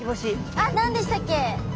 あっ何でしたっけ。